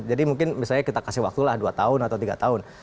jadi mungkin misalnya kita kasih waktu lah dua tahun atau tiga tahun